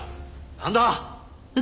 なんだ？